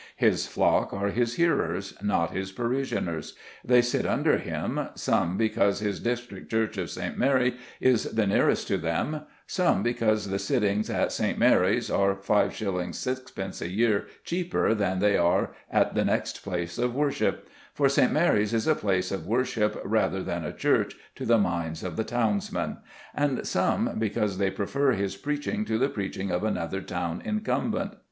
His flock are his hearers, not his parishioners. They sit under him, some because his district church of St. Mary is the nearest to them, some because the sittings at St. Mary's are 5_s_. 6_d_. a year cheaper than they are at the next place of worship, for St. Mary's is a place of worship rather than a church to the minds of the townsmen, and some because they prefer his preaching to the preaching of another town incumbent.